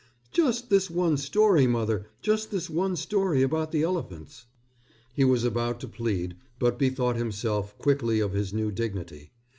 "Just this one story, mother, just this one story about the elephants." He was about to plead, but bethought himself quickly of his new dignity.